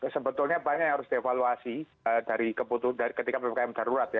sebetulnya banyak yang harus dievaluasi dari ketika ppkm darurat ya